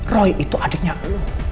roy itu adiknya lu